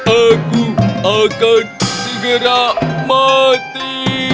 aku akan segera mati